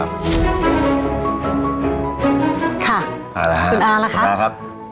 คุณอาละค่ะสวัสดีครับสวัสดีครับ